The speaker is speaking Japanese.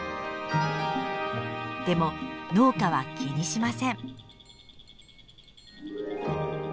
でも農家は気にしません。